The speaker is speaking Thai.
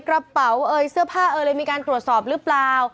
กระเป๋าเสื้อผ้ามีการตรวจสอบหรือเปล่า